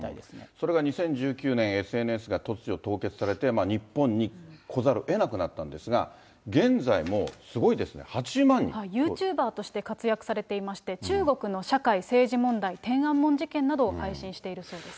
それが２０１９年、ＳＮＳが突如凍結されて、日本に来ざるをえなくなったんですが、現在もすごいですね、８０ユーチューバーとして活躍されていまして、中国の社会、政治問題、天安門事件などを配信しているそうです。